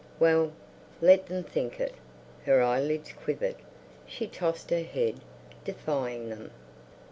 Well, let them think it! Her eyelids quivered; she tossed her head, defying them.